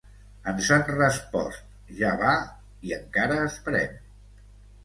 Ens han respost: "ja va", i encara esperem.